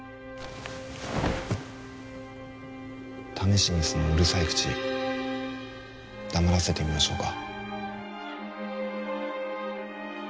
試しにそのうるさい口黙らせてみましょうか？